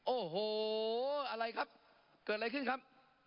โอ้โหอะไรครับเกิดอะไรขึ้นครับ